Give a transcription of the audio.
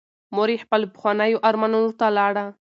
مور یې خپلو پخوانیو ارمانونو ته لاړه.